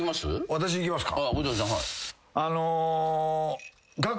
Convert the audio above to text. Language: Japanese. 私いきますか。